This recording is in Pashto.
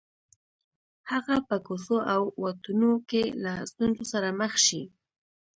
هغه به په کوڅو او واټونو کې له ستونزو سره مخ شي